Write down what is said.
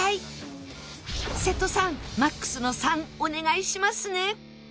瀬戸さんマックスの３お願いしますね